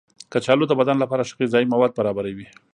کچالو د بدن لپاره ښه غذايي مواد برابروي.